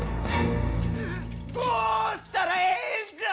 どうしたらええんじゃあ！